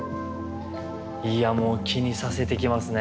いやもう気にさせてきますね。